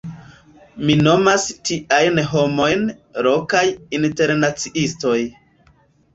Mi nomas tiajn homojn “lokaj internaciistoj”.